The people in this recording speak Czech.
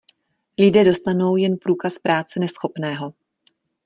Lidé dostanou jen průkaz práce neschopného.